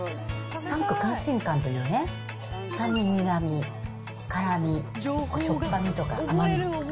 酸、苦、甘、辛、かんというね、酸味、苦み、辛み、しょっぱみとか甘み。